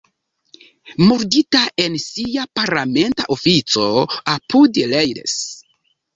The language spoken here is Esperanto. Murdita en sia parlamenta ofico apud Leeds.